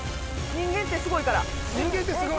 人間ってすごい。